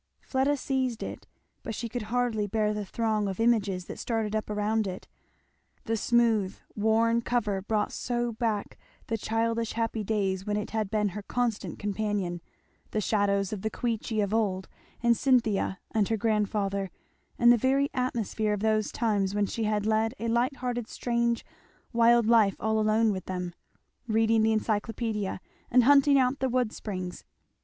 Fleda seized it, but she could hardly bear the throng of images that started up around it. The smooth worn cover brought so back the childish happy days when it had been her constant companion the shadows of the Queechy of old, and Cynthia and her grandfather; and the very atmosphere of those times when she had led a light hearted strange wild life all alone with them, reading the Encyclopædia and hunting out the wood springs.